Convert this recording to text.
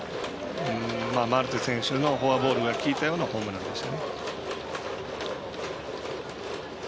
マルテ選手のフォアボールが効いたようなホームランでした。